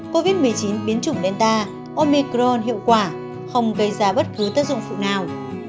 covid một mươi chín biến chủng menta omicron hiệu quả không gây ra bất cứ tác dụng phụ nào